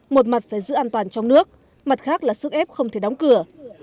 một mặt phải giữ an toàn trong nước mặt khác là sức ép không thể đóng cửa